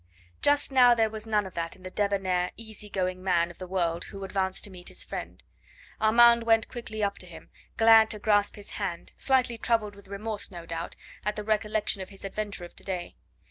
Just now there was none of that in the debonnair, easy going man of the world who advanced to meet his friend. Armand went quickly up to him, glad to grasp his hand, slightly troubled with remorse, no doubt, at the recollection of his adventure of to day.